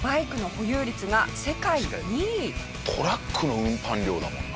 トラックの運搬量だもんな。